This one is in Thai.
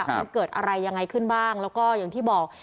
มันเกิดอะไรยังไงขึ้นบ้างแล้วก็อย่างที่บอก